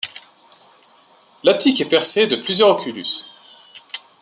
L'attique est percée de plusieurs oculus.